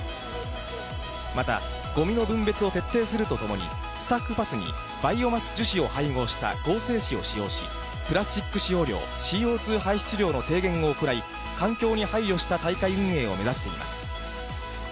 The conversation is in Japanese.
また、ごみの分別を徹底するとともに、スタッフパスにバイオマス樹脂を配合した合成紙を使用し、プラスチック使用量、ＣＯ２排出量の低減を行い、環境に配慮した大会運営を目指しています。